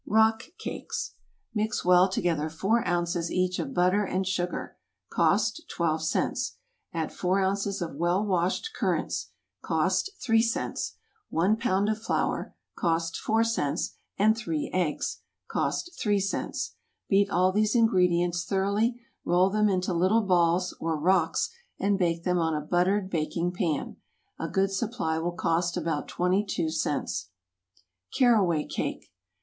=Rock Cakes.= Mix well together four ounces each of butter and sugar, (cost twelve cents,) add four ounces of well washed currants, (cost three cents,) one pound of flour, (cost four cents,) and three eggs, (cost three cents;) beat all these ingredients thoroughly, roll them into little balls, or rocks, and bake them on a buttered baking pan. A good supply will cost about twenty two cents. =Caraway Cake.